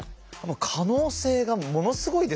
可能性がものすごいですね。